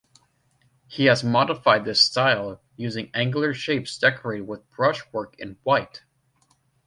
He has modified this style, using angular shapes decorated with brushwork in white.